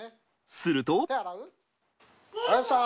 すると。